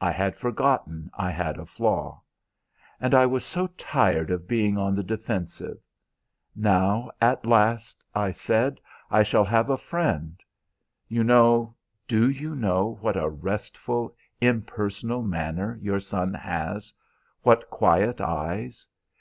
I had forgotten I had a flaw. And I was so tired of being on the defensive. Now at last, I said, I shall have a friend! You know do you know what a restful, impersonal manner your son has? What quiet eyes!